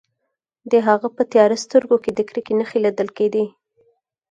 د هغه په تیاره سترګو کې د کرکې نښې لیدل کیدې